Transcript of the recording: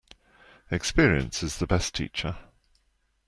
Experience is the best teacher.